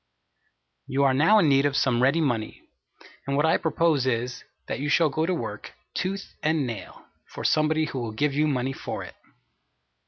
You are now in need of some ready money; and what I propose is, that you shall go to work, "tooth and nail," for somebody who will give you money for it.